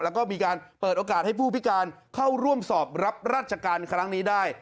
แล้วก็มีการเปิดโอกาสให้ผู้พิการเข้าร่วมสอบรับราชการครั้งนี้ได้